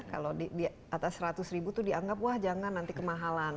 kalau di atas seratus ribu itu dianggap wah jangan nanti kemahalan